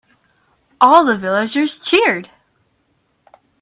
All the villagers cheered.